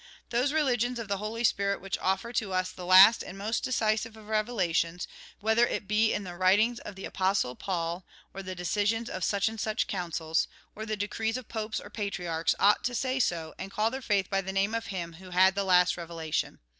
Those religions of the Holy Spirit which offer to us the last and most decisive of revelations, whether it be in the writings of the Apostle Paul or the AUTHOR'S PREFACE 15 decisions of such and such Councils, or the decrees of popes or patriarchs, ought to say so, and call their faith by the name of him who had the last revelation.